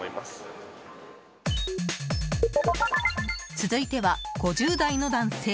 続いては５０代の男性。